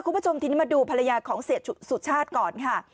คุณผู้ชมทีนี้มาดูภรรยาของเสียสุชาติก่อนค่ะ